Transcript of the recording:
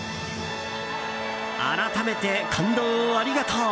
改めて、感動をありがとう！